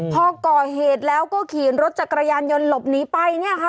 พอก่อเหตุแล้วก็ขี่รถจักรยานยนต์หลบหนีไปเนี่ยค่ะ